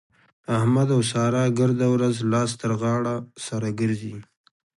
احمد او سارا ګرده ورځ لاس تر غاړه سره ګرځي.